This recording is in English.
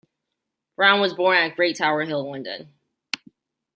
Browne was born at Great Tower Hill, London.